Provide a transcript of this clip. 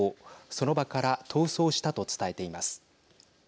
その場から逃走したと伝えています。